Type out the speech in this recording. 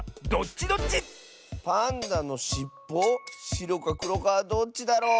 しろかくろかどっちだろう？